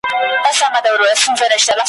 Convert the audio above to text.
سفرونه به روان وي او زموږ پلونه به هیریږي `